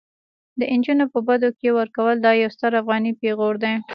د انجونو په بدو کي ورکول دا يو ستر افغاني پيغور دي